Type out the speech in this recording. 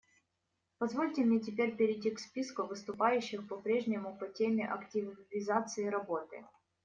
Позвольте мне теперь перейти к списку выступающих — по-прежнему по теме активизации работы.